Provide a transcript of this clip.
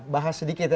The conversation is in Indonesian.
bahas sedikit ya